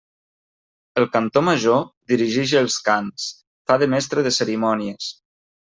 El cantor major dirigix els cants, fa de mestre de cerimònies.